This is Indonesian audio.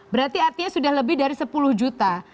berarti artinya sudah lebih dari sepuluh juta